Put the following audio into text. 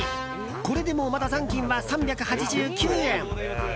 これでまだ残金は３８９円。